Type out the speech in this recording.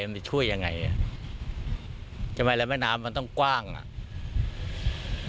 มันจะช่วยยังไงอ่ะทำไมแล้วแม่น้ำมันต้องกว้างอ่ะ